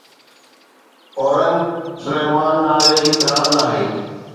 اورنگ سليمان نالي هڪ راند آهي